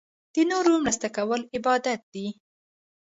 د نورو مرسته کول عبادت دی.